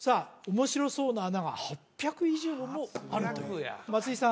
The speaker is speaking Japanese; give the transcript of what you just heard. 面白そうな穴が８００以上もあるという松井さん